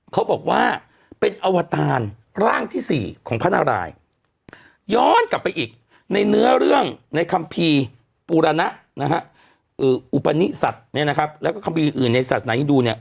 เขาบอกว่าเป็นอวตารร่างที่สี่ของพระนารายย์ย้อนกลับไปอีกในเนื้อเรื่องในคัมภีร์ปุรณะอุปนิสัตว์แล้วก็คัมภีร์อื่นในศาสตร์ไหนที่ดู